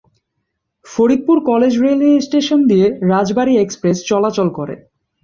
Faridpur college railway station দিয়ে Rajbari express চলাচল করে।